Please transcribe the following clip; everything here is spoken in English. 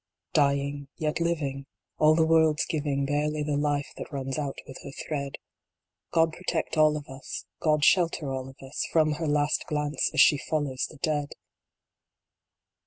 Dying, yet living : All the world s giving Barely the life that runs out with her thread. God protect all of us God shelter all of us From her last glance, as she follows the Dead